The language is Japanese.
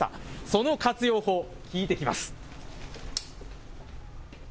その活用法、聞いてきます。